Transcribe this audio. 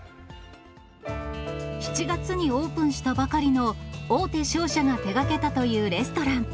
７月にオープンしたばかりの大手商社が手がけたというレストラン。